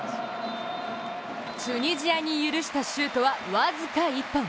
チュニジアに許したシュートは僅か１本。